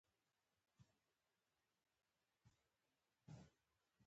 په پارک کې ولاړې ونې مې هم لیدلې، د هوټل څخه را وتونکو رڼاوو.